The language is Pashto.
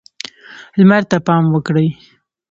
لمر ته پام وکړئ.